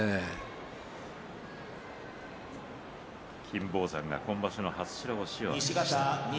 金峰山が今場所の初白星を挙げました。